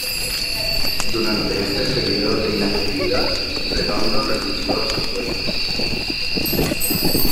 Durante este período de inactividad, Redondo renunció a su sueldo.